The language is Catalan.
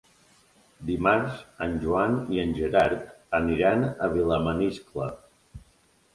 Dimarts en Joan i en Gerard aniran a Vilamaniscle.